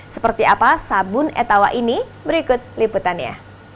seperti apa sabun etawa ini berikut liputannya